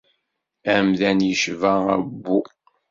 Amdan icba abbu.